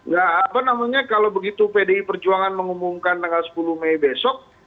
ya apa namanya kalau begitu pdi perjuangan mengumumkan tanggal sepuluh mei besok